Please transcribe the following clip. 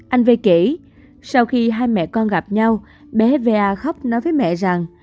anh v kể sau khi hai mẹ con gặp nhau bé va khóc nói với mẹ rằng